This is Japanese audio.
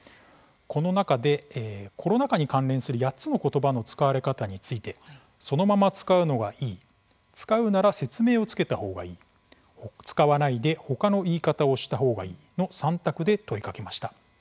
この中でコロナ禍に関連する８つの言葉の使われ方についてそのまま使うのがいい使うなら説明をつけた方がいい使わないで他の言い方をした方がいいの３択で問いかけました。